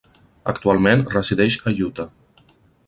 Actualment resideix a Utah.